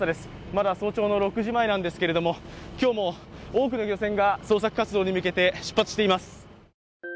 まだ早朝の６時前なんですけれども今日も多くの漁船が捜索活動に向けて出発しています。